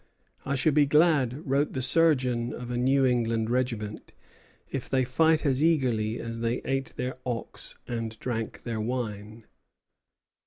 "I shall be glad," wrote the surgeon of a New England regiment, "if they fight as eagerly as they ate their ox and drank their wine."